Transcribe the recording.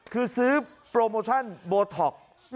คือซื้อโปรโมชั่นโบท็อกซ์